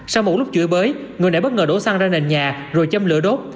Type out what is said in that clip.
sau một lúc chửi bới người đã bất ngờ đổ xăng ra nền nhà rồi châm lửa đốt